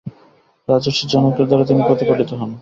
রাজর্ষি জনকের দ্বারা তিনি প্রতিপালিত হন।